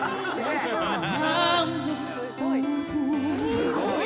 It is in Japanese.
すごい。